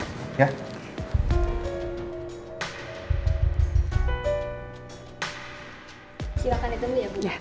silakan itu dulu ya bu